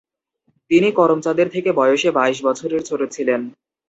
তিনি করমচাঁদের থেকে বয়সে বাইশ বছরের ছোট ছিলেন।